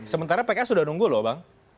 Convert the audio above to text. sementara pks sudah nunggu loh bang